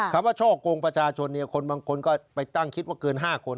คำว่าช่อกลงประชาชนบางคนก็ไปตั้งคิดว่าเกิน๕คน